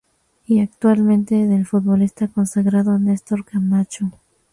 Y Actualmente del futbolista consagrado Nestor Camacho.